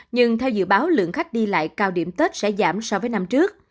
nhưng theo dự báo lượng khách đi lại cao điểm tết sẽ giảm so với năm trước